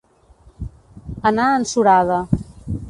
Anar en surada.